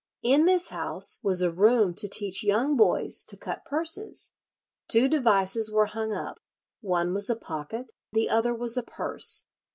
In this house was a room to teach young boys to cut purses. Two devices were hung up; one was a pocket, the other was a purse.